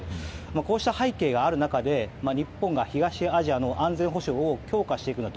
こうした背景がある中で日本が、東アジアの安全保障を強化していくんだと。